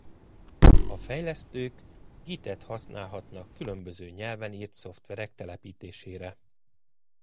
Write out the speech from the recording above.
A fejlesztők git-et használhatnak különböző nyelven írt szoftverek telepítésére.